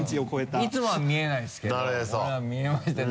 いつもは見えないですけどこれは見えましたね。